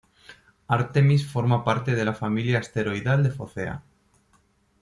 Artemis forma parte de la familia asteroidal de Focea.